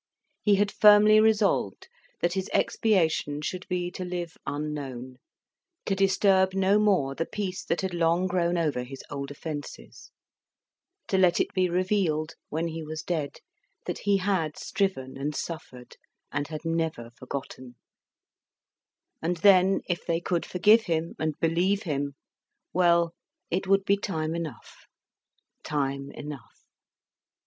He had firmly resolved that his expiation should be to live unknown; to disturb no more the peace that had long grown over his old offences; to let it be revealed, when he was dead, that he had striven and suffered, and had never forgotten; and then, if they could forgive him and believe him well, it would be time enough time enough!